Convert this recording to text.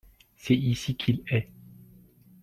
C'est ici qu'il est.